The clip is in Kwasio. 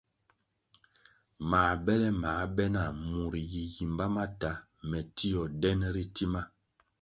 Mā bele ma be nah, murʼ yi yimba ma ta, me tio den ritima.